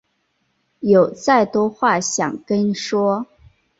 有再多话想跟说